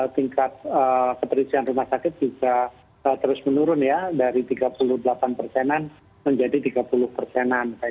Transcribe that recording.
tingkat keterisian rumah sakit juga terus menurun ya dari tiga puluh delapan persenan menjadi tiga puluh persenan